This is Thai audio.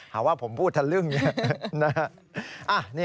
หากว่าผมพูดทะลึ่งอย่างนี้